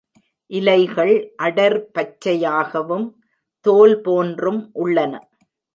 இலைகள் அடர் பச்சையாகவும் தோல் போன்றும் உள்ளன.